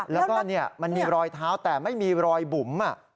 แล้วก็มันมีรอยเท้าแต่ไม่มีรอยบุ๋ม